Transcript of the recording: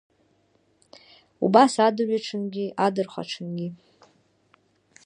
Убас адырҩаҽынгьы, адырхаҽынгьы.